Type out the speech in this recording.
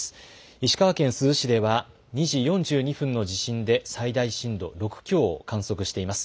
石川県珠洲市では２時４２分の地震で最大震度６強を観測しています。